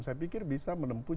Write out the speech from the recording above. saya pikir bisa menempuhkan